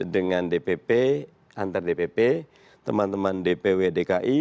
dengan dpp antar dpp teman teman dpw dki